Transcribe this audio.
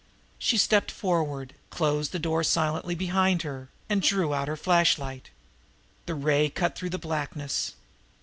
She stepped forward, closed the door silently behind her, and drew out her flashlight. The ray cut through the blackness.